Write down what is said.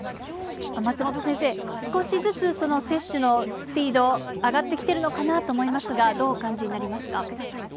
松本先生、少しずつ接種のスピード、上がってきてるのかなと思いますが、どうお感じになりますか。